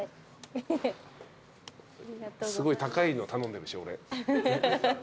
すごい高いの頼んでるし俺。